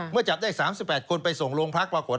จับได้๓๘คนไปส่งโรงพักปรากฏ